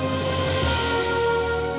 tapi orangnya baik sekali